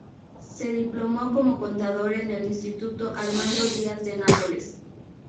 Se diplomó como "contador" en el instituto Armando Diaz de Nápoles.